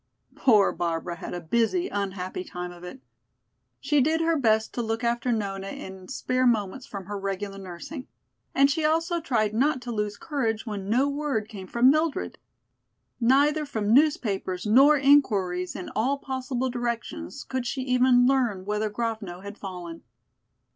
Poor Barbara had a busy, unhappy time of it. She did her best to look after Nona in spare moments from her regular nursing, and she also tried not to lose courage when no word came from Mildred. Neither from newspapers nor inquiries in all possible directions could she even learn whether Grovno had fallen.